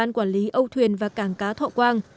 nên tàu chạy về càng cá thọ quang